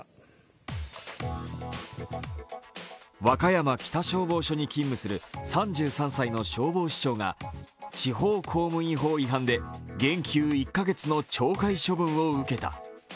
和歌山北消防署に勤務する３３歳の消防士長が地方公務員法違反で減給１カ月の懲戒処分を受けた。